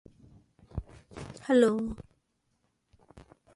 Each practice's explanation should be readable independently.